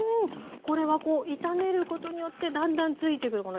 これは炒めることによってだんだんついてくるこの焼き色。